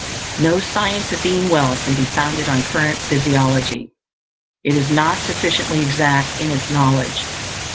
No Science of Being Well can be founded on current physiology; it is not sufficiently exact in its knowledge.